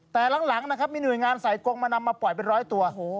แต่หลังนะครับมีหน่วยงานใส่กงมานำมาปล่อยเป็นร้อยตัว